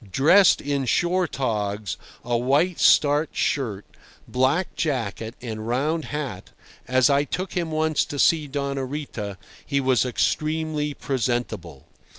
Dressed in shore togs, a white starched shirt, black jacket, and round hat, as I took him once to see Doña Rita, he was extremely presentable.